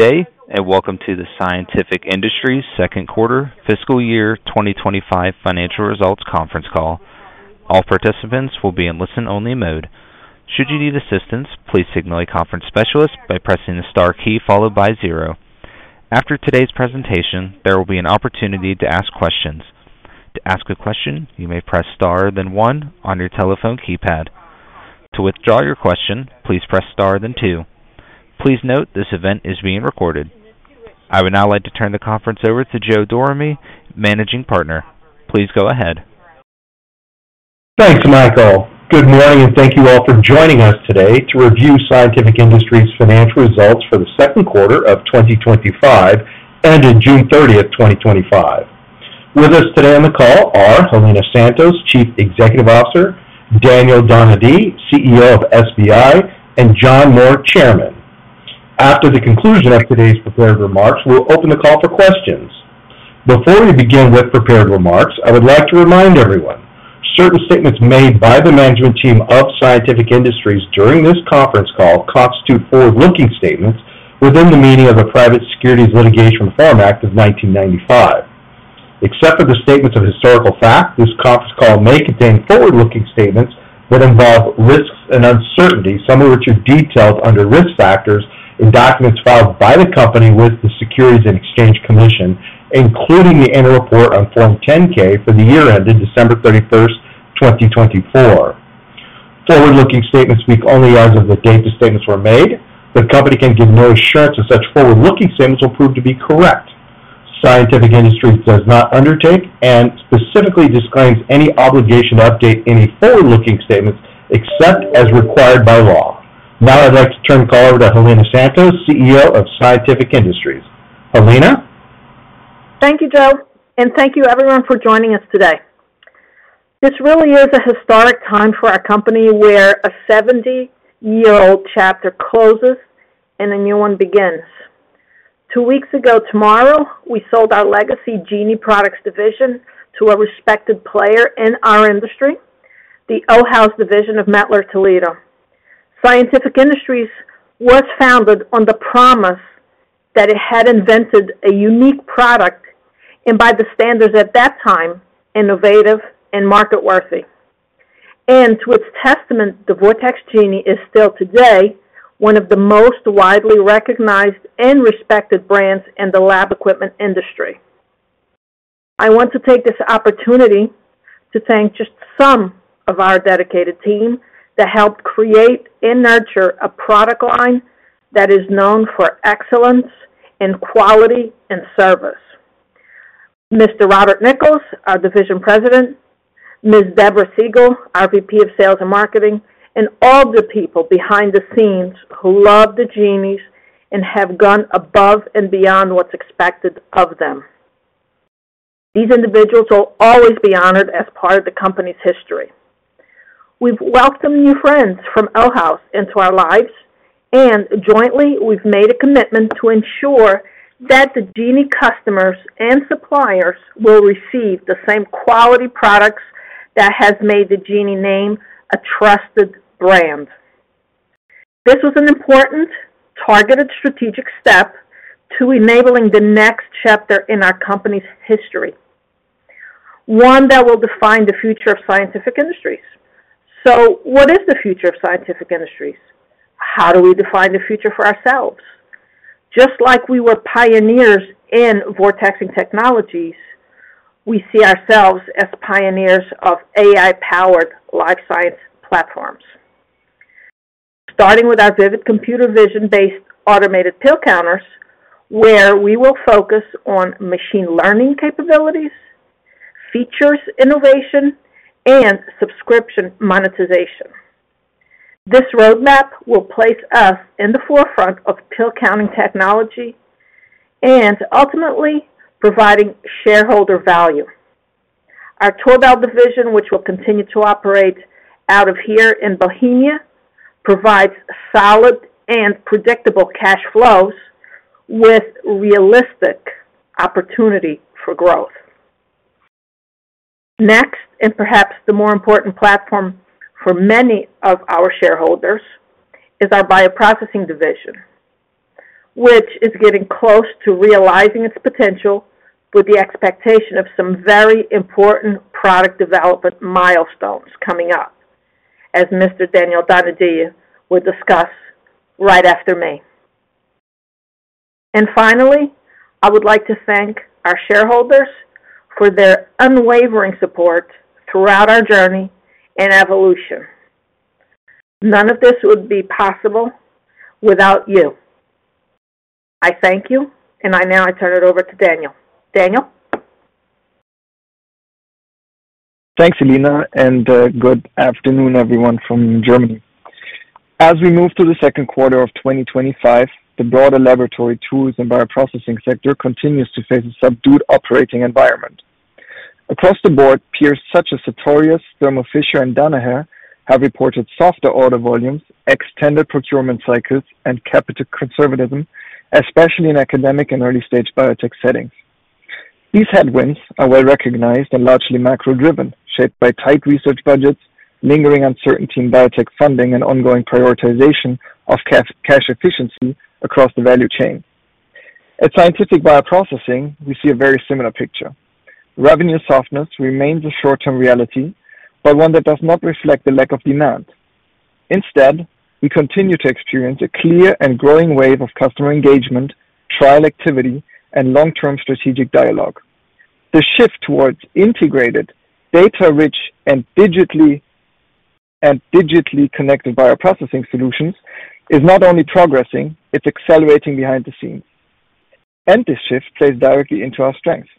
Today, and welcome to the Scientific Industries second quarter, fiscal year 2025 financial results conference call. All participants will be in listen-only mode. Should you need assistance, please signal a conference specialist by pressing the star key followed by zero. After today's presentation, there will be an opportunity to ask questions. To ask a question, you may press star then one on your telephone keypad. To withdraw your question, please press star then two. Please note this event is being recorded. I would now like to turn the conference over to Joe Dorame, Managing Partner. Please go ahead. Thanks, Michael. Good morning, and thank you all for joining us today to review Scientific Industries' financial results for the second quarter of 2025 and June 30, 2025. With us today on the call are Helena Santos, Chief Executive Officer; Daniel Grünes, CEO of SBI; and John Moore, Chairman. After the conclusion of today's prepared remarks, we will open the call for questions. Before we begin with prepared remarks, I would like to remind everyone, certain statements made by the management team of Scientific Industries during this conference call constitute forward-looking statements within the meaning of the Private Securities Litigation Reform Act of 1995. Except for the statements of historical fact, this conference call may contain forward-looking statements that involve risks and uncertainty, some of which are detailed under risk factors in documents filed by the company with the Securities and Exchange Commission, including the annual report on Form 10-K for the year ended December 31, 2024. Forward-looking statements speak only as of the date the statements were made. The company cannot be more assured that such forward-looking statements will prove to be correct. Scientific Industries does not undertake and specifically disclaims any obligation to update any forward-looking statements except as required by law. Now I'd like to turn the call over to Helena Santos, CEO of Scientific Industries. Helena. Thank you, Joe, and thank you everyone for joining us today. This really is a historic time for our company where a 70-year-old chapter closes and a new one begins. Two weeks ago tomorrow, we sold our legacy Genie lab products division to a respected player in our industry, the OHAUS division of Mettler Toledo. Scientific Industries was founded on the promise that it had invented a unique product and by the standards at that time, innovative and market-worthy. To its testament, the Vortex Genie is still today one of the most widely recognized and respected brands in the lab equipment industry. I want to take this opportunity to thank just some of our dedicated team that helped create and nurture a product line that is known for excellence in quality and service. Mr. Robert Nichols, our Division President; Ms. Deborah Siegel, our VP of Sales and Marketing; and all of the people behind the scenes who love the Genies and have gone above and beyond what's expected of them. These individuals will always be honored as part of the company's history. We've welcomed new friends from OHAUS into our lives, and jointly, we've made a commitment to ensure that the Genie customers and suppliers will receive the same quality products that have made the Genie name a trusted brand. This was an important, targeted, strategic step to enabling the next chapter in our company's history, one that will define the future of Scientific Industries. What is the future of Scientific Industries? How do we define the future for ourselves? Just like we were pioneers in vortexing technologies, we see ourselves as pioneers of AI-powered life science platforms. Starting with our Vivid computer vision-based automated pill counters, where we will focus on machine learning capabilities, features, innovation, and subscription monetization. This roadmap will place us in the forefront of pill counting technology and ultimately providing shareholder value. Our Torbal scales division, which will continue to operate out of here in Bohemia, provides solid and predictable cash flows with realistic opportunity for growth. Next, and perhaps the more important platform for many of our shareholders, is our bioprocessing division, which is getting close to realizing its potential with the expectation of some very important product development milestones coming up, as Mr. Daniel Grünes will discuss right after me. Finally, I would like to thank our shareholders for their unwavering support throughout our journey and evolution. None of this would be possible without you. I thank you, and I now turn it over to Daniel. Daniel? Thanks, Helena, and good afternoon, everyone from Germany. As we move to the second quarter of 2025, the broader laboratory tools and bioprocessing sector continues to face a subdued operating environment. Across the board, peers such as Sartorius, Thermo Fisher, and Danaher have reported softer order volumes, extended procurement cycles, and capital conservatism, especially in academic and early-stage biotech settings. These headwinds are well recognized and largely macro-driven, shaped by tight research budgets, lingering uncertainty in biotech funding, and ongoing prioritization of cash efficiency across the value chain. At Scientific Bioprocessing, we see a very similar picture. Revenue softness remains a short-term reality, but one that does not reflect the lack of demand. Instead, we continue to experience a clear and growing wave of customer engagement, trial activity, and long-term strategic dialogue. The shift towards integrated, data-rich, and digitally connected bioprocessing solutions is not only progressing, it's accelerating behind the scenes. This shift plays directly into our strengths.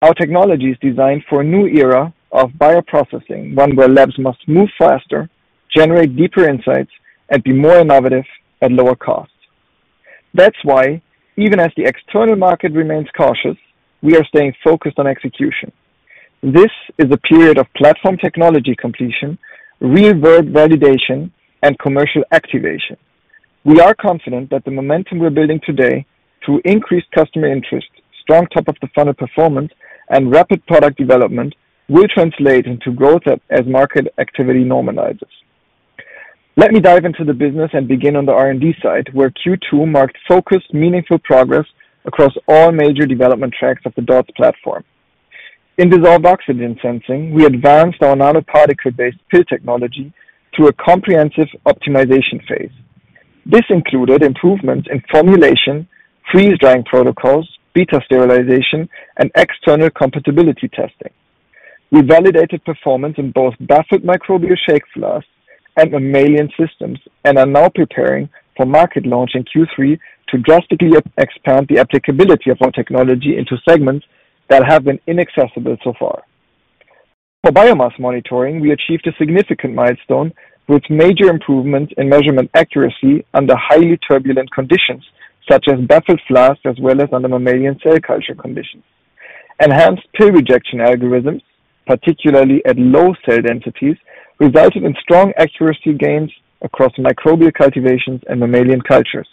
Our technology is designed for a new era of bioprocessing, one where labs must move faster, generate deeper insights, and be more innovative at lower cost. That is why, even as the external market remains cautious, we are staying focused on execution. This is a period of platform technology completion, real-world validation, and commercial activation. We are confident that the momentum we're building today through increased customer interest, strong top-of-the-funnel performance, and rapid product development will translate into growth as market activity normalizes. Let me dive into the business and begin on the R&D side, where Q2 marked focused, meaningful progress across all major development tracks of the DOTS multiparameter sensor platform. In dissolved oxygen sensing, we advanced our nanoparticle-based pill technology through a comprehensive optimization phase. This included improvements in formulation, freeze-drying protocols, beta sterilization, and external compatibility testing. We validated performance in both baffled microbial shake fluids and mammalian systems and are now preparing for market launch in Q3 to drastically expand the applicability of our technology into segments that have been inaccessible so far. For biomass monitoring, we achieved a significant milestone with major improvements in measurement accuracy under highly turbulent conditions, such as baffled fluids, as well as under mammalian cell culture conditions. Enhanced pill rejection algorithms, particularly at low cell densities, resulted in strong accuracy gains across microbial cultivations and mammalian cultures.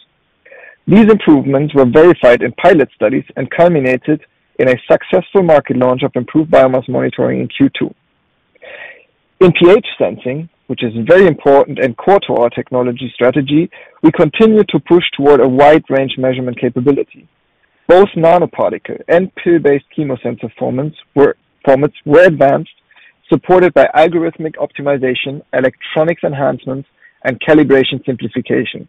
These improvements were verified in pilot studies and culminated in a successful market launch of improved biomass monitoring in Q2. In pH sensing, which is very important and core to our technology strategy, we continue to push toward a wide range measurement capability. Both nanoparticle and pill-based chemo sensor formats were advanced, supported by algorithmic optimization, electronics enhancements, and calibration simplification.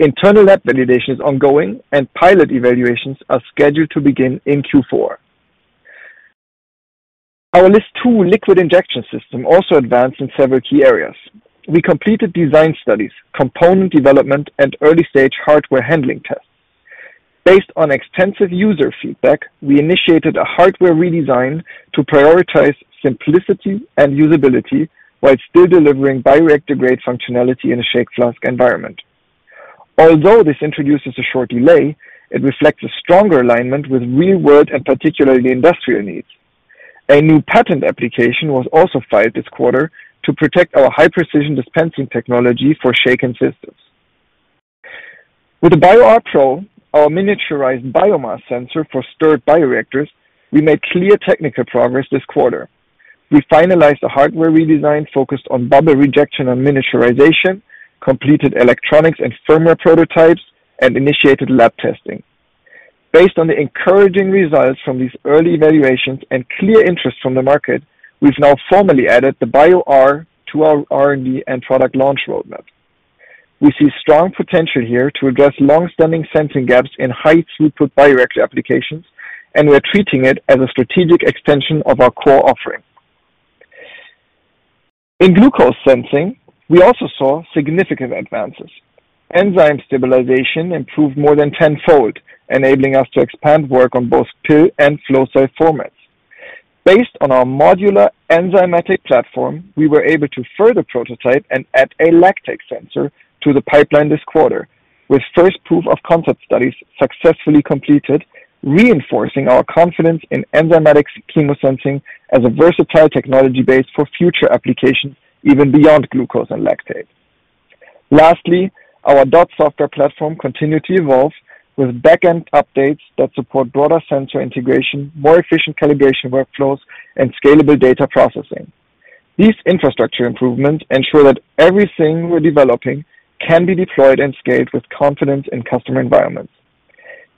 Internal lab validation is ongoing, and pilot evaluations are scheduled to begin in Q4. Our LIST2 liquid injection system also advanced in several key areas. We completed design studies, component development, and early-stage hardware handling tests. Based on extensive user feedback, we initiated a hardware redesign to prioritize simplicity and usability while still delivering bioreactive-grade functionality in a shake fluid environment. Although this introduces a short delay, it reflects a stronger alignment with real-world and particularly industrial needs. A new patent application was also filed this quarter to protect our high-precision dispensing technology for shaken systems. With the BioArtPro, our miniaturized biomass sensor for stirred bioreactors, we made clear technical progress this quarter. We finalized the hardware redesign focused on bubble rejection and miniaturization, completed electronics and firmware prototypes, and initiated lab testing. Based on the encouraging results from these early evaluations and clear interest from the market, we've now formally added the BioArtPro to our R&D and product launch roadmap. We see strong potential here to address longstanding sensing gaps in high throughput bioreactor applications, and we are treating it as a strategic extension of our core offering. In glucose sensing, we also saw significant advances. Enzyme stabilization improved more than tenfold, enabling us to expand work on both pill and flow cell formats. Based on our modular enzymatic platform, we were able to further prototype and add a lactic sensor to the pipeline this quarter, with first proof of concept studies successfully completed, reinforcing our confidence in enzymatic chemo sensing as a versatile technology base for future application even beyond glucose and lactate. Lastly, our DOTS multiparameter sensor platform software continued to evolve with backend updates that support broader sensor integration, more efficient calibration workflows, and scalable data processing. These infrastructure improvements ensure that everything we're developing can be deployed and scaled with confidence in customer environments.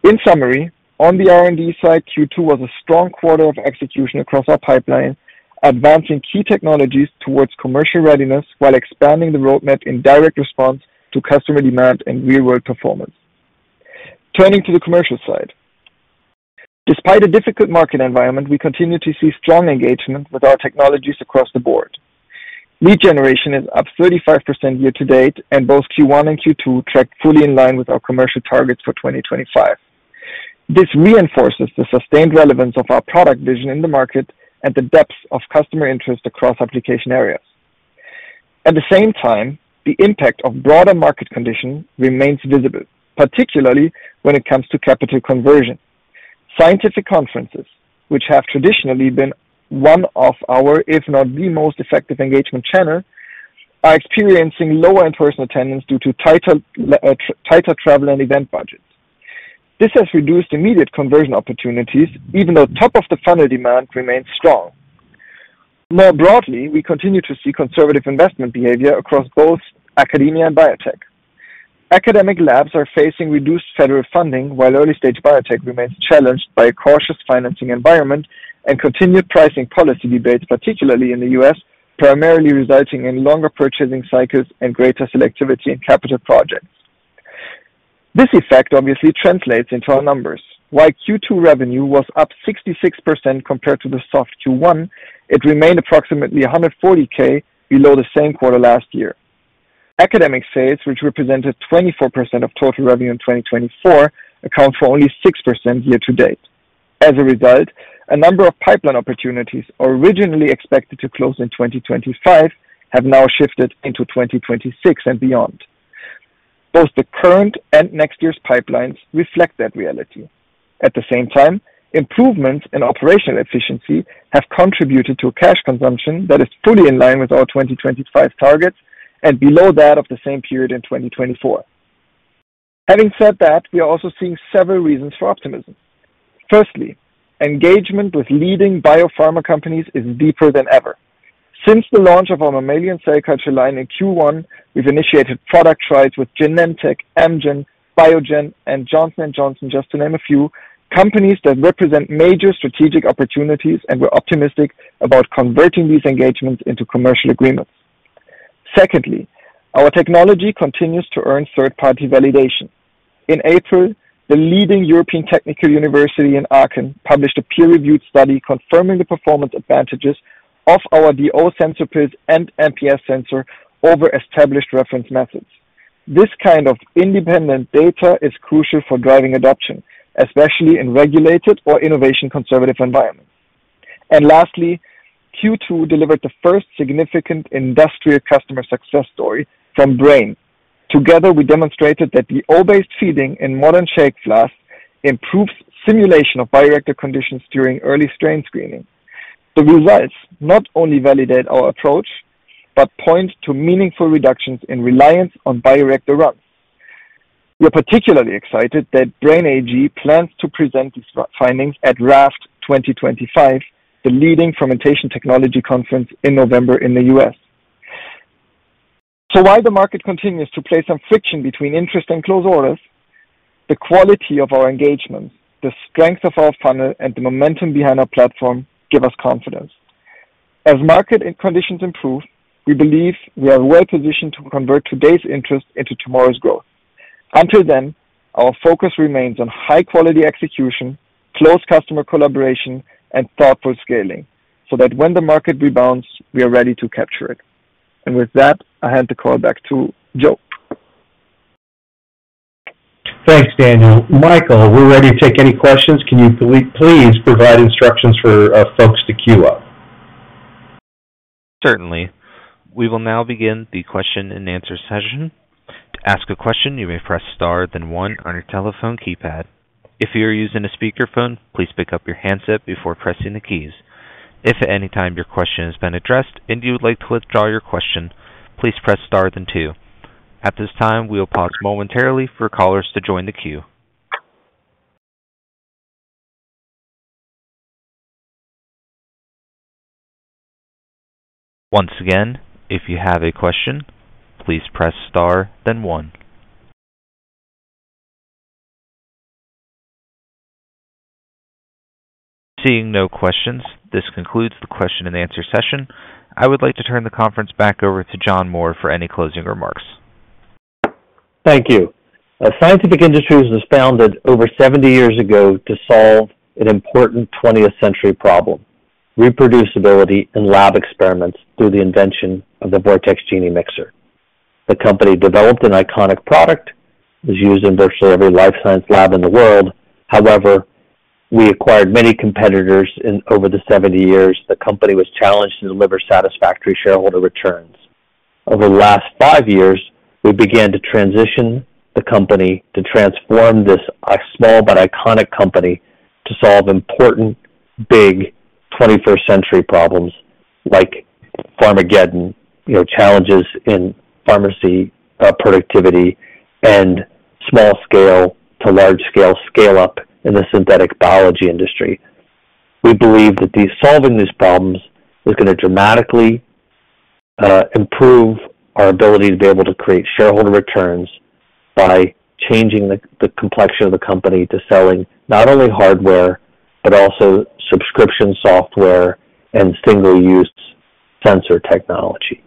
In summary, on the R&D side, Q2 was a strong quarter of execution across our pipeline, advancing key technologies towards commercial readiness while expanding the roadmap in direct response to customer demands and real-world performance. Turning to the commercial side, despite a difficult market environment, we continue to see strong engagement with our technologies across the board. Lead generation is up 35% year to date, and both Q1 and Q2 tracked fully in line with our commercial targets for 2025. This reinforces the sustained relevance of our product vision in the market and the depth of customer interest across application areas. At the same time, the impact of broader market conditions remains visible, particularly when it comes to capital conversion. Scientific conferences, which have traditionally been one of our, if not the most effective engagement channel, are experiencing lower in-person attendance due to tighter travel and event budgets. This has reduced immediate conversion opportunities, even though top-of-the-funnel demand remains strong. More broadly, we continue to see conservative investment behavior across both academia and biotech. Academic labs are facing reduced federal funding, while early-stage biotech remains challenged by a cautious financing environment and continued pricing policy debates, particularly in the U.S., primarily resulting in longer purchasing cycles and greater selectivity in capital projects. This effect obviously translates into our numbers. While Q2 revenue was up 66% compared to the soft Q1, it remained approximately $140,000 below the same quarter last year. Academic sales, which represented 24% of total revenue in 2024, account for only 6% year to date. As a result, a number of pipeline opportunities originally expected to close in 2025 have now shifted into 2026 and beyond. Both the current and next year's pipelines reflect that reality. At the same time, improvements in operational efficiency have contributed to a cash consumption that is fully in line with our 2025 targets and below that of the same period in 2024. Having said that, we are also seeing several reasons for optimism. Firstly, engagement with leading biopharma companies is deeper than ever. Since the launch of our mammalian cell culture line in Q1, we've initiated product trials with Genentech, Amgen, Biogen, and Johnson & Johnson, just to name a few, companies that represent major strategic opportunities and we're optimistic about converting these engagements into commercial agreements. Secondly, our technology continues to earn third-party validation. In April, the leading European technical university in Aachen published a peer-reviewed study confirming the performance advantages of our DO sensor pills and MPS sensor over established reference methods. This kind of independent data is crucial for driving adoption, especially in regulated or innovation-conservative environments. Lastly, Q2 delivered the first significant industrial customer success story from BRAIN AG. Together, we demonstrated that DO-based feeding in modern shake fluids improves simulation of bioreactor conditions during early strain screening. The results not only validate our approach but point to meaningful reductions in reliance on bioreactor runs. We are particularly excited that BRAIN AG plans to present these findings at RAFT 2025, the leading fermentation technology conference in November in the U.S. While the market continues to play some friction between interest and closed orders, the quality of our engagement, the strength of our funnel, and the momentum behind our platform give us confidence. As market conditions improve, we believe we are well positioned to convert today's interest into tomorrow's growth. Until then, our focus remains on high-quality execution, close customer collaboration, and thoughtful scaling so that when the market rebounds, we are ready to capture it. With that, I hand the call back to Joe. Thanks, Daniel. Michael, we're ready to take any questions. Can you please provide instructions for our folks to queue up? Certainly. We will now begin the question and answer session. To ask a question, you may press star then one on your telephone keypad. If you are using a speakerphone, please pick up your handset before pressing the keys. If at any time your question has been addressed and you would like to withdraw your question, please press star then two. At this time, we will pause momentarily for callers to join the queue. Once again, if you have a question, please press star then one. Seeing no questions, this concludes the question and answer session. I would like to turn the conference back over to John Moore for any closing remarks. Thank you. Scientific Industries was founded over 70 years ago to solve an important 20th-century problem: reproducibility in lab experiments through the invention of the Vortex Genie mixer. The company developed an iconic product, was used in virtually every life science lab in the world. However, we acquired many competitors over the 70 years. The company was challenged to deliver satisfactory shareholder returns. Over the last five years, we began to transition the company to transform this small but iconic company to solve important big 21st-century problems like pharmageddon, you know, challenges in pharmacy productivity and small-scale to large-scale scale-up in the synthetic biology industry. We believe that solving these problems is going to dramatically improve our ability to be able to create shareholder returns by changing the complexity of the company to selling not only hardware but also subscription software and single-use sensor technology.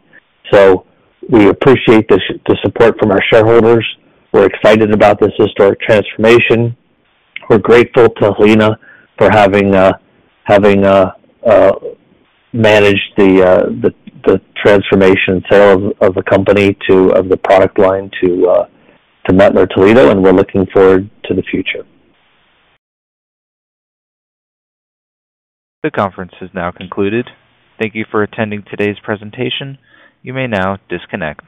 We appreciate the support from our shareholders. We're excited about this historic transformation. We're grateful to Helena Santos for having managed the transformation and sale of the product line to Mettler Toledo, and we're looking forward to the future. The conference is now concluded. Thank you for attending today's presentation. You may now disconnect.